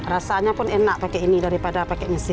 rasanya pun enak pakai ini daripada pakai mesin